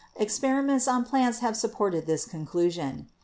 Experiments on plants have supported this conclusion.